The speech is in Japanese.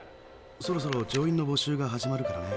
そろそろ乗員の募集が始まるからね。